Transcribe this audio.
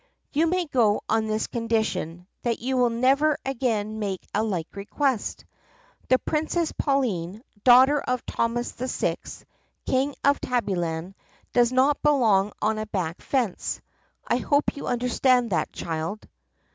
" 'You may go on this condition, that you will never again make a like request. The Princess Pauline, daughter of Thomas VI, King of Tabbyland, does not belong on a back fence. I hope you understand that, child.